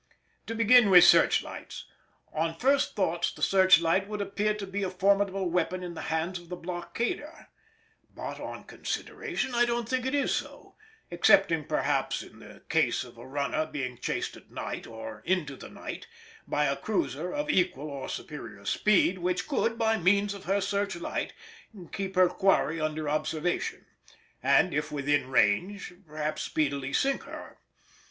To begin with search lights: on first thoughts the search light would appear to be a formidable weapon in the hands of the blockader; but on consideration I don't think it is so, excepting perhaps in the case of a runner being chased at night, or into the night, by a cruiser of equal or superior speed which could, by means of her search light, keep her quarry under observation, and, if within range, perhaps speedily sink her.